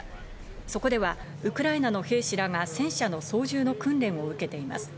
そこではウクライナの兵士らが戦車の操縦の訓練を受けています。